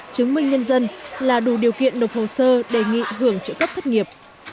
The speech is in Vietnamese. chứng minh nhân dân là đủ điều kiện đọc hồ sơ đề nghị hưởng trợ cấp thất nghiệp